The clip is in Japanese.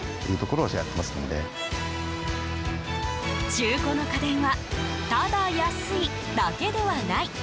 中古の家電はただ安いだけではない。